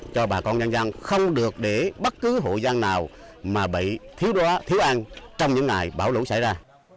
cho bà con dân dân không được để bất cứ hội gian nào mà bị thiếu đoá thiếu an trong những ngày bão lũ xảy ra